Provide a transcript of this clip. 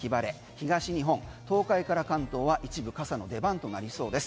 東日本、東海から関東は一部、傘の出番となりそうです。